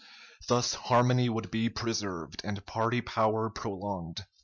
Thus harmony would be preserved, and party power prolonged.